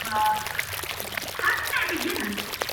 How did they begin?